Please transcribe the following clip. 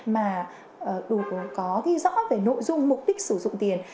mà có ghi rõ về nội dung mục đích sử dụng tiền